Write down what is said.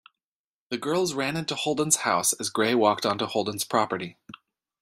The girls ran into Holden's house as Gray walked onto Holden's property.